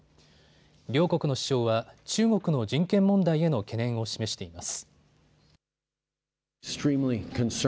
両国の首相は中国の人権問題への懸念を示しています。